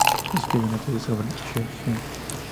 Escribió una tesis sobre Schelling.